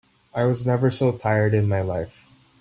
I was never so tired in my life.